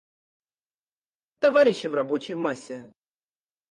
Товарищи в рабочей массе.